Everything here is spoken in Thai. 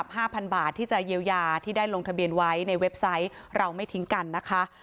ห้าพันบาทที่จะเยียวยาที่ได้ลงทะเบียนไว้ในเว็บไซต์เราไม่ทิ้งกันนะคะ